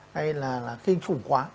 hay là khi anh khủng quá